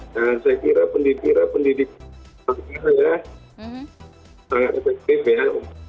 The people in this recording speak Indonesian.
dan saya kira pendidik pendidik masyarakat ya sangat efektif ya